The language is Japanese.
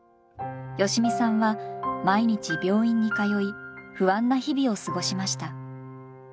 良美さんは毎日病院に通い不安な日々を過ごしました。